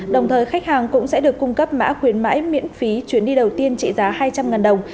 đồng thời khách hàng cũng sẽ được cung cấp mã khuyến mãi miễn phí chuyến đi đầu tiên trị giá hai trăm linh đồng